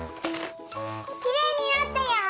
きれいになったよ！